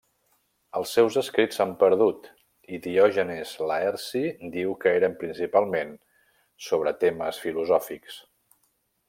Els seus escrits s'han perdut i Diògenes Laerci diu que eren principalment sobre temes filosòfics.